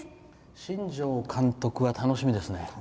新庄監督は楽しみですね。